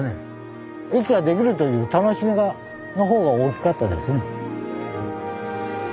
駅が出来るという楽しみの方が大きかったですね。